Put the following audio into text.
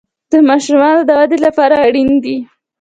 د ماشومانو د ودې لپاره اړین دي.